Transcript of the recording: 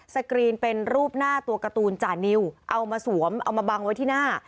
กรีนเป็นรูปหน้าตัวการ์ตูนจานิวเอามาสวมเอามาบังไว้ที่หน้า